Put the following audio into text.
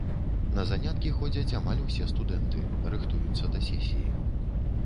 На заняткі ходзяць амаль усе студэнты, рыхтуюцца да сесіі.